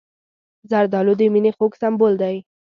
زردالو د مینې خوږ سمبول دی.